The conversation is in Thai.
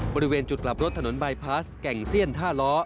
บริเวณจุดกลับรถถนนบายพาสแก่งเซียนท่าล้อ